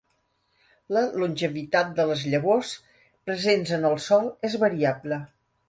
La longevitat de les llavors presents en el sòl és variable.